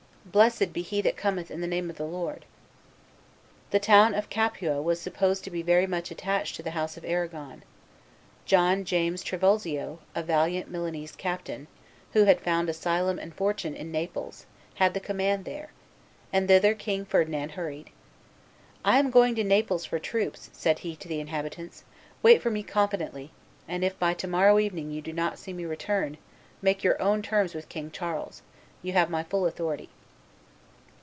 Blessed be he that cometh in the name of the Lord!'" The town of Capua was supposed to be very much attached to the house of Arragon; John James Trivulzio, a valiant Milanese captain, who had found asylum and fortune in Naples, had the command there; and thither King Ferdinand hurried. "I am going to Naples for troops," said he to the inhabitants; "wait for me confidently; and if by to morrow evening you do not see me return, make your own terms with King Charles; you have my full authority."